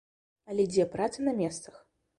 Але дзе праца на месцах?